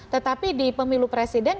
tetapi di pemilu presiden